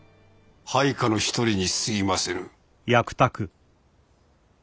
配下の一人にすぎませぬ。